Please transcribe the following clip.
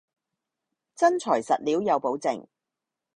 真材實料有保證